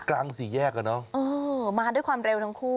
กลางสีแยกกันเนาะมาด้วยความเร็วทั้งคู่